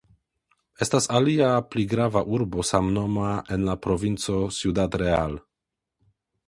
Estas alia pli grava urbo samnoma en la Provinco Ciudad Real.